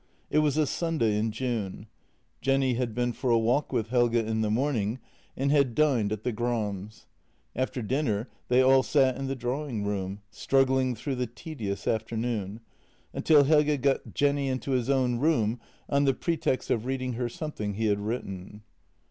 It was a Sunday in June; Jenny had been for a walk with Helge in the morning and had dined at the Grams'. After dinner they all sat in the drawing room, struggling through the tedious afternoon, until Helge got Jenny into his own room on the pretext of reading her something he had written.